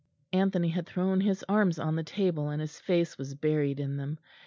Anthony had thrown his arms on the table and his face was buried in them.